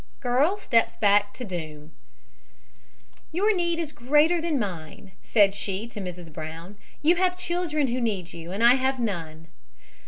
GIRL STEPS BACK TO DOOM "Your need is greater than mine," said she to Mrs. Brown. "You have children who need you, and I have none."